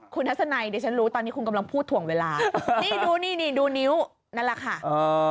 คุณฮัศไนเดี๋ยวฉันรู้ตอนนี้คุณกำลังพูดถ่วงเวลาดูนิ้วนั่นแหละค่ะแค่นั้นจบ